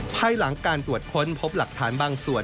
ภายหลังการตรวจค้นพบหลักฐานบางส่วน